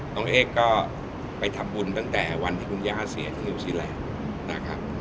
เอกก็ไปทำบุญตั้งแต่วันที่คุณย่าเสียที่นิวซีแลนด์นะครับ